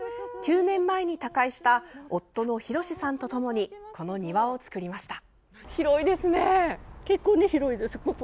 ９年前に他界した夫の洋さんと共にこの庭を造りました。